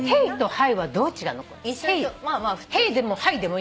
はい。